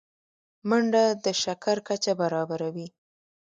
منډه د شکر کچه برابروي